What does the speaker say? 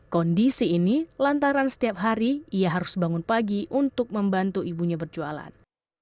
kondisi ini lantaran setiap hari ia harus bangun pagi untuk membantu ibunya berjualan